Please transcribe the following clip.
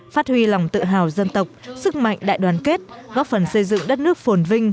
phát huy lòng tự hào dân tộc sức mạnh đại đoàn kết góp phần xây dựng đất nước phồn vinh